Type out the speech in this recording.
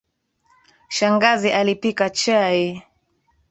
Shangazi alipika chai.